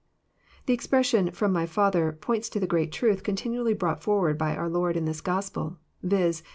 The expression, "ftrom jay. Father," points to the great truth continually brought forward by our Lord in this Gospel : viz.